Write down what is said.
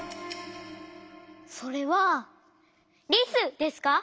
それはリスですか？